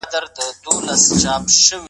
په سړک باندې ترافیکي ګڼګوڼه وه.